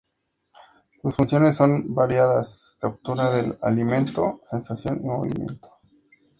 Sus funciones son variadas: captura del alimento, sensación y movimiento.